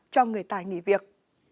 do người tài nghỉ việc